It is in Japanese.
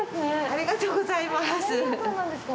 ありがとうございます。